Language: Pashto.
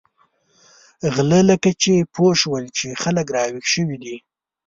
غله لکه چې پوه شول چې خلک را وېښ شوي دي.